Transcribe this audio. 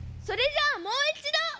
それじゃあもういちど！